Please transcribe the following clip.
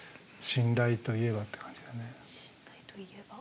信頼といえば。